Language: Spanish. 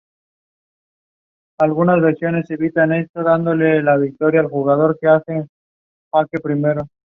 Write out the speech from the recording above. Egidio murió luego de una larga agonía.